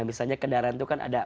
misalnya kendaraan itu kan ada